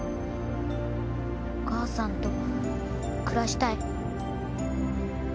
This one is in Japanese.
お母さんと暮らしたい。